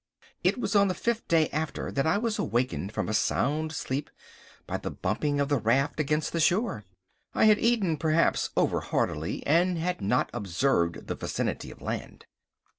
It was on the fifth day after that I was awakened from a sound sleep by the bumping of the raft against the shore. I had eaten perhaps overheartily, and had not observed the vicinity of land.